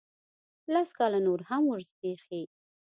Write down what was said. لس کاله نور هم وزبیښي